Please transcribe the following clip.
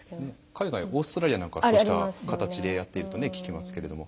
海外オーストラリアなんかはそうした形でやっていると聞きますけども。